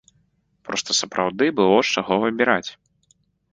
Проста сапраўды было з чаго выбіраць.